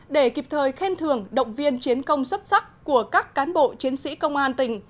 để kịp thời khen thường động viên chiến công xuất sắc của các cán bộ chiến sĩ công an tỉnh